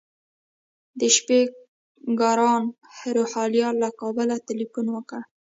د شپې ګران روهیال له کابله تیلفون وکړ.